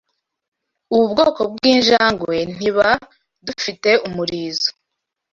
Ubu bwoko bwinjangwe ntibdufiteumurizo.